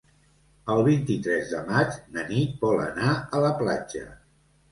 El vint-i-tres de maig na Nit vol anar a la platja.